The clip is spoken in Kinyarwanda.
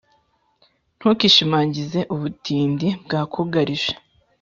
ntukishimagize ubutindi bwakugarije